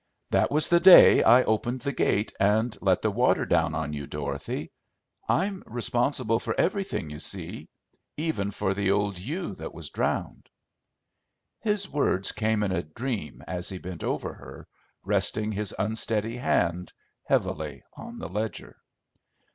That was the day I opened the gate and let the water down on you, Dorothy. I'm responsible for everything, you see, even for the old ewe that was drowned." His words came in a dream as he bent over her, resting his unsteady hand heavily on the ledger.